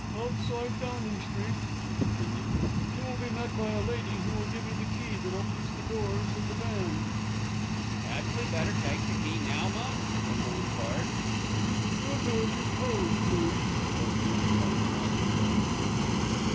"Outside Downing Street," she continued, "you will be met by a lady who will give you the key that opens the doors of the van." "'Adn't we better take the key now, mum?" Bindle enquired. "You'll do as you're told, please," was the uncompromising rejoinder.